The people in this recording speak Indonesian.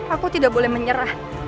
aku tidak boleh menyerah